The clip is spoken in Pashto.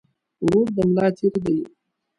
ورور د ملا تير دي